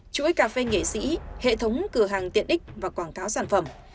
chuỗi cà phê nghệ sĩ hệ thống cửa hàng tiện ích và quảng cáo sản phẩm